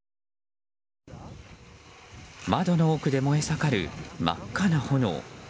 窓の奥で燃えさかる真っ赤な炎。